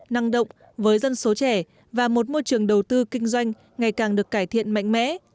năng động với dân số trẻ và một môi trường đầu tư kinh doanh ngày càng được cải thiện mạnh mẽ